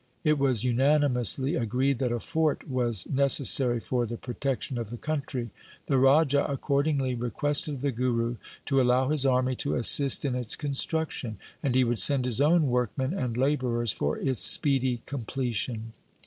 It was unanimously agreed that a fort was necessary for the protection of the country. The Raja accordingly requested the Guru to allow his army to assist in its construction, and he would send his own workmen and labourers for its speedy completion.